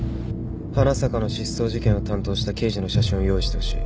花坂の失踪事件を担当した刑事の写真を用意してほしい